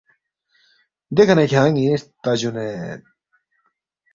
دیکھہ نہ کھیان٘ی ہرتا جونید